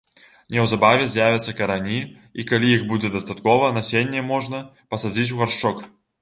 Неўзабаве з'явяцца карані, і калі іх будзе дастаткова, насенне можна пасадзіць у гаршчок.